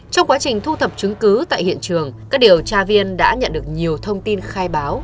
trong quá trình thu thập chứng cứ tại hiện trường các điều tra viên đã nhận được nhiều thông tin khai báo